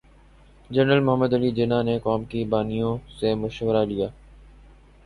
general Muhammad Ali Jinnah نے قوم کے بانیوں سے مشورہ لیا